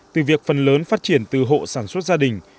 từ việc phần lớn phát triển từ hộ sản xuất gia đình